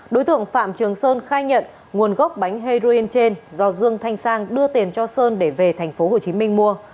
đối tượng phạm trường sơn khai nhận nguồn gốc bánh heroin trên do dương thanh sang đưa tiền cho sơn để về tp hcm mua